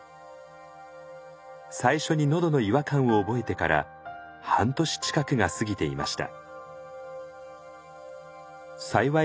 最初にのどの違和感を覚えてから半年近くが過ぎていました。